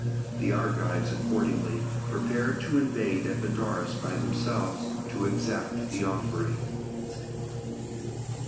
The Argives accordingly prepared to invade Epidaurus by themselves, to exact the offering.